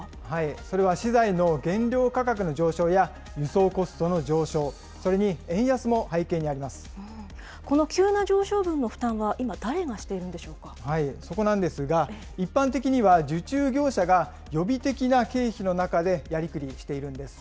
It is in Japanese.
それは資材の原料価格の上昇や輸送コストの上昇、それに円安この急な上昇分の負担は今、そこなんですが、一般的には受注業者が予備的な経費の中でやりくりをしているんです。